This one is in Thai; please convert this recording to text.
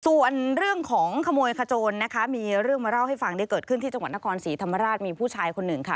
ส่วนเรื่องของขโมยขโจนนะคะมีเรื่องมาเล่าให้ฟังได้เกิดขึ้นที่จังหวัดนครศรีธรรมราชมีผู้ชายคนหนึ่งค่ะ